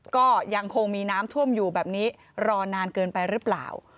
ก็ยังคงมีน้ำท่วมอยู่แบบนี้รอนานเกินไปหรือเปล่า